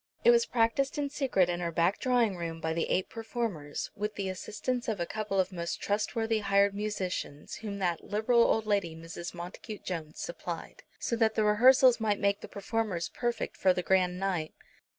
It was practised in secret in her back drawing room by the eight performers, with the assistance of a couple of most trustworthy hired musicians, whom that liberal old lady, Mrs. Montacute Jones, supplied, so that the rehearsals might make the performers perfect for the grand night.